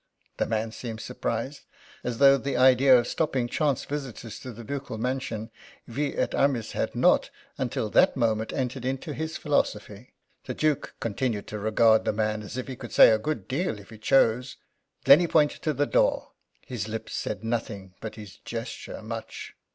The man seemed surprised, as though the idea of stopping chance visitors to the ducal mansion vi et armis had not, until that moment, entered into his philosophy. The Duke continued to regard the man as if he could say a good deal, if he chose. Then he pointed to the door. His lips said nothing, but his gesture much.